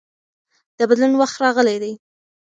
د بدلون وخت راغلی دی.